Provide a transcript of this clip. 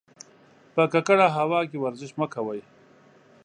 په ککړه هوا کې ورزش مه کوئ.